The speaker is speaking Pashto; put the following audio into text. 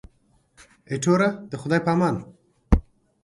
ایټوره د خدای په امان.